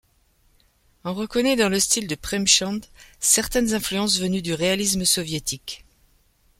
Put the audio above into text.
On reconnaît dans le style de Premchand certaines influences venues du réalisme soviétique.